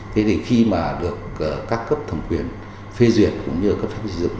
thế thì khi mà được các cấp thẩm quyền phê duyệt cũng như các phép dựng